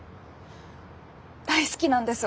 大好きなんです